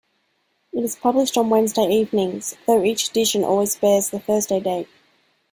It is published on Wednesday evenings, though each edition always bears the Thursday date.